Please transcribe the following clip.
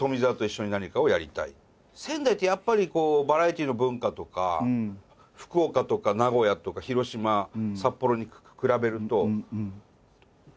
仙台ってやっぱりこうバラエティーの文化とか福岡とか名古屋とか広島札幌に比べると劣るんですね。